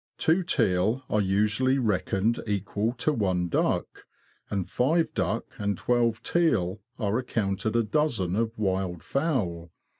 Two teal are usually reckoned equal to one duck, and five duck and twelve teal are accounted a dozen of wild fowl.